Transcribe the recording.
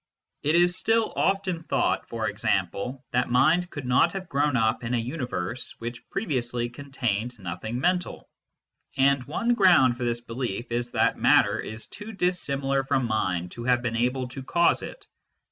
It is still often thought, for example, that mind could not have grown up in a universe which previously contained nothing mental, and one ground for this belief is that matter is too dissimilar from mind to have been able to cause it.